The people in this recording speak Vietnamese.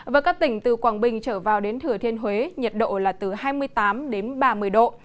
và các tỉnh từ quảng bình trở vào đến thừa thiên huế nhiệt độ là từ hai mươi tám đến ba mươi độ